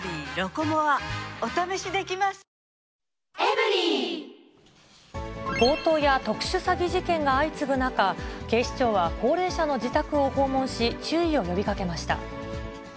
フラミンゴ強盗や特殊詐欺事件が相次ぐ中、警視庁は高齢者の自宅を訪問し、注意を呼びかけました。